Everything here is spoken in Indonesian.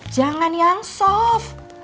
jangan yang soft